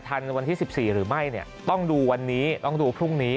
วันที่๑๔หรือไม่เนี่ยต้องดูวันนี้ต้องดูพรุ่งนี้